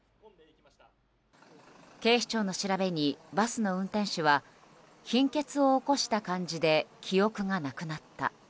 警視庁の調べにバスの運転手は貧血を起こした感じで記憶がなくなった。